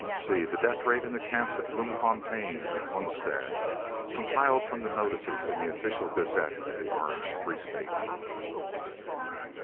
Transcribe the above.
(c) The death rate in the Camps at Bloemfontein and Kroonstad, compiled from the notices in the Official Gazette of the Orange Free State.